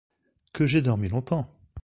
Que j'ai dormi longtemps !